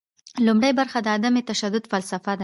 لومړۍ برخه د عدم تشدد فلسفه ده.